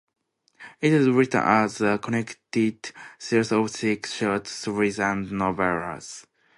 It is written as a connected series of six short stories and novellas.